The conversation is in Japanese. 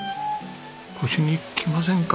腰にきませんか？